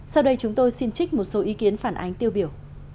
sau đây chúng tôi xin trích một số ý kiến phản ánh tiêu biểu